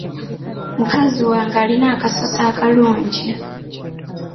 Mukazi wange alina akasusu akalungi.